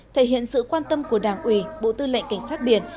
thể hiện sự quan tâm của đảng ủy bộ tư lệnh cảnh sát biển